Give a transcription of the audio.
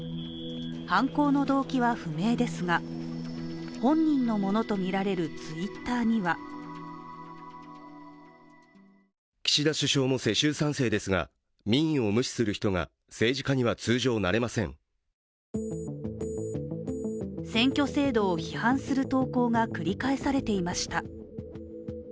犯行の動機は不明ですが本人のものとみられるＴｗｉｔｔｅｒには選挙制度を批判する投稿が繰り返されていました。